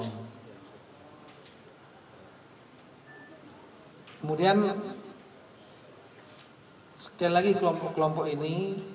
kemudian sekali lagi kelompok kelompok ini